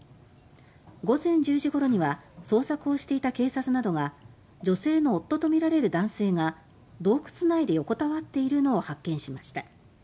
午前１０時ごろには捜索をしていた警察などが女性の夫とみられる男性が洞窟内で横たわっているのを発見しました。